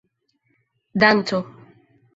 danco